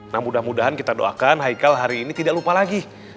nah mudah mudahan kita doakan haikal hari ini tidak lupa lagi